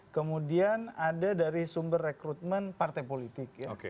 kemudian ada dari sumber rekrutmen partai politik